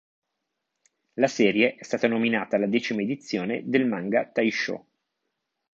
La serie è stata nominata alla decima edizione del Manga Taishō.